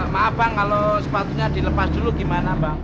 maaf bang kalau sepatunya dilepas dulu gimana bang